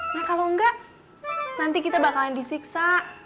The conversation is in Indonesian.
nah kalau enggak nanti kita bakalan disiksa